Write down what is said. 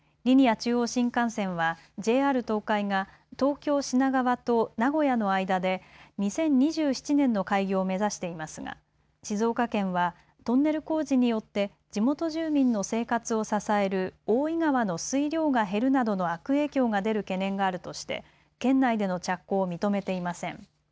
中央新幹線は、ＪＲ東海が東京・品川と名古屋の間で２０２７年の開業を目指していますが静岡県はトンネル工事によって地元住民の生活を支える大井川の水量が減るなどの悪影響が出る懸念があるとして県内での着工を認めていません。